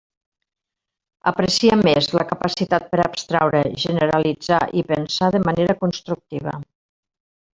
Aprecia més la capacitat per a abstraure, generalitzar i pensar de manera constructiva.